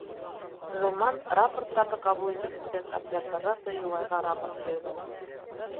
Ғилман, рапорттарҙы ҡабул итеп бөткәс, отряд вожатыйы Юлайға рапорт бирҙе.